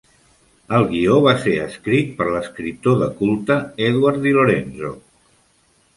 El guió va ser escrit per l'escriptor de culte Edward di Lorenzo.